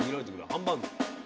ハンバーグ。